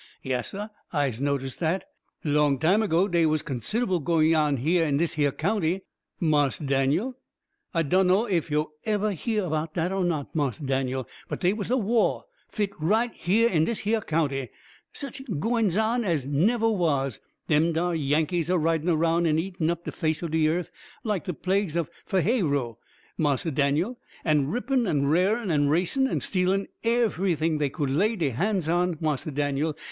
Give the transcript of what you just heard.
Yass, SAH, I'se notice dat! Long time ago dey was consid'ble gwines on in dis hyah county, Marse Daniel. I dunno ef yo' evah heah 'bout dat o' not, Marse Daniel, but dey was a wah fit right hyah in dis hyah county. Such gwines on as nevah was dem dar Yankees a ridin' aroun' an' eatin' up de face o' de yearth, like de plagues o' Pha'aoah, Marse Daniel, and rippin' and rarin' an' racin' an' stealin' evehything dey could lay dey han's on, Marse Daniel.